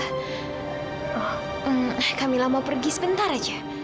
oh kak mila mau pergi sebentar aja